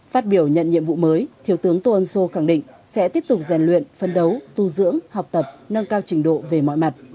phát biểu nhận nhiệm vụ mới thiếu tướng tô ân sô khẳng định sẽ tiếp tục rèn luyện phân đấu tu dưỡng học tập nâng cao trình độ về mọi mặt